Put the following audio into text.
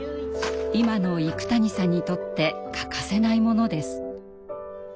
今の幾谷さんにとって欠かせないものです。